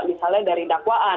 misalnya dari dakwaan